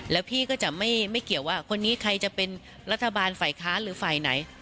แล้วพี่ก็จะไม่เกี่ยวว่าคนนี้ใครจะเป็นรัฐบาลฝ่ายค้านหรือฝ่ายไหน